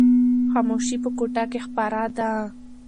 خاموشي په کوټه کې خپره ده.